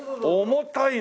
重たい。